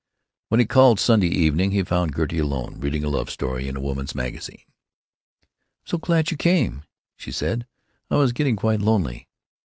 When he called, Sunday evening, he found Gertie alone, reading a love story in a woman's magazine. "I'm so glad you came," she said. "I was getting quite lonely."